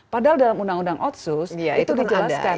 padahal dalam undang undang otsus itu dijelaskan